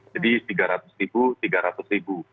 jadi rp tiga ratus rp tiga ratus